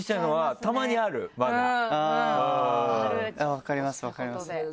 分かります分かります。